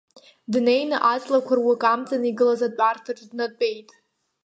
Днеины аҵлақәа руакы амҵан игылаз атәарҭаҿ днатәеит.